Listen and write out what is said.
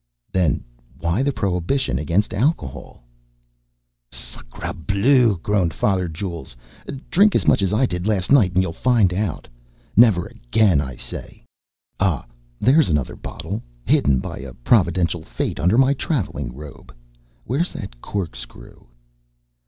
Then why the prohibition against alcohol? "Sacre Bleu!" groaned Father Jules. "Drink as much as I did last night and you'll find out. Never again, I say. Ah, there's another bottle, hidden by a providential fate under my traveling robe. Where's that corkscrew?"